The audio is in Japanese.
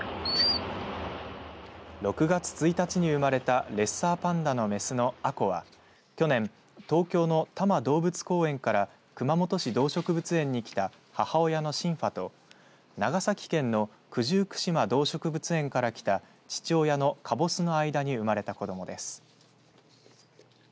６月１日に生まれたレッサーパンダの雌の杏香は去年、東京の多摩動物公園から熊本市動植物園に来た母親のシンファと長崎県の九十九島動植物園から来た父親のかぼすの間に生まれた子どもです。